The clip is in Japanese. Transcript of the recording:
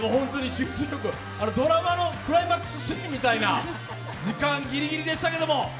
ドラマのクライマックスシーンみたいな時間ギリギリでしたけども。